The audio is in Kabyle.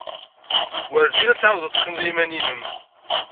Werjin ad tɛawdeḍ ad teqqimeḍ i yiman-nnem.